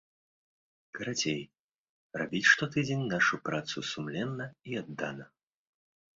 Карацей, рабіць штотыдзень нашу працу сумленна і аддана.